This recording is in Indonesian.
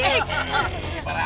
hei pak ranti